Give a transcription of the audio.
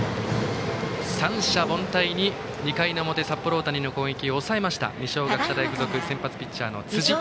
三者凡退に２回の表、札幌大谷の攻撃を抑えました二松学舎大付属の先発ピッチャー、辻。